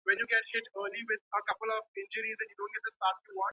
که څه هم خپله ئې نشه کړې وي.